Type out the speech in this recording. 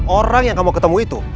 orang yang kamu ketemu itu